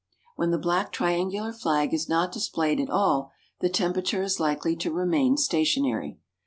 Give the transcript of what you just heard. When the black triangular flag is not displayed at all, the temperature is likely to remain stationary.